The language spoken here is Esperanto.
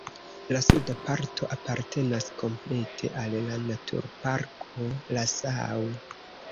La suda parto apartenas komplete al la naturparko Nassau.